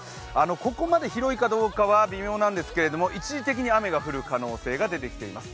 ここまで広いかどうかは微妙なんですけど一時的に雨が降る可能性が出てきています。